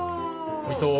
おいしそう。